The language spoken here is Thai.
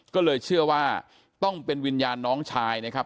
ก็เลยเชื่อว่าต้องเป็นวิญญาณน้องชายนะครับ